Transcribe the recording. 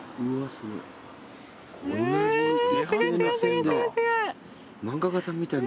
すごいな。